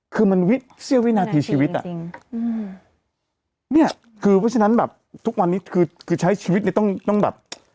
คือมันเสี้ยววินาทีชีวิตอ่ะอืมเนี่ยคือเพราะฉะนั้นแบบทุกวันนี้คือคือใช้ชีวิตเนี่ยต้องต้องแบบ